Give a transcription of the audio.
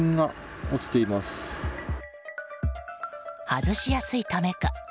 外しやすいためか